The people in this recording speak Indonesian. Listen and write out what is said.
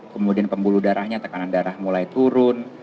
kemudian pembuluh darahnya tekanan darah mulai turun